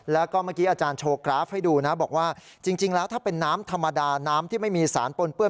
แล้วก็เมื่อกี้อาจารย์โชว์กราฟให้ดูนะบอกว่าจริงแล้วถ้าเป็นน้ำธรรมดาน้ำที่ไม่มีสารปนเปื้อ